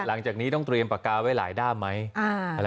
ลังจากนี้ต้องทัวร์พีชปากกาไว้หลายด้ามหรือไง